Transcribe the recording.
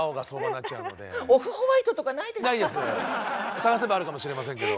探せばあるかもしれませんけど。